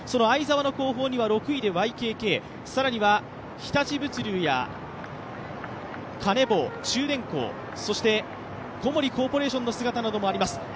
相澤の後方には６位でＹＫＫ更には日立物流やカネボウ、中電工小森コーポレーションの姿などもあります。